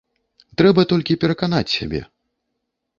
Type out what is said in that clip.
Трэба толькі пераканаць сябе.